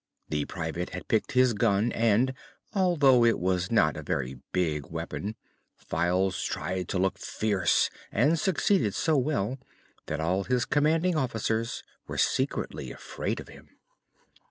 The Private had picked his gun and, although it was not a very big weapon, Files tried to look fierce and succeeded so well that all his commanding officers were secretly afraid of him.